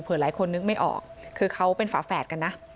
หลายคนนึกไม่ออกคือเขาเป็นฝาแฝดกันนะ